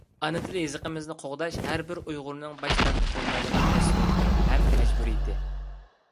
ئانا تىل-يېزىقىمىزنى قوغداش — ھەربىر ئۇيغۇرنىڭ باش تارتىپ بولمايدىغان مەسئۇلىيىتى ھەم مەجبۇرىيىتى.